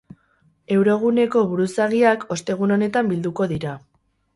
Euroguneko buruzagiak ostegun honetan bilduko dira.